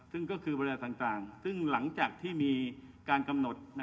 ซึ่งก็คือบริษัทต่างซึ่งหลังจากที่มีการกำหนด